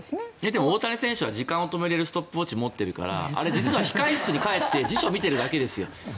でも大谷選手は時間を止めれるストップウォッチを持っているからあれ、実は控え室に帰って辞書を見ているだけですよ。